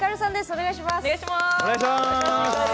お願いします。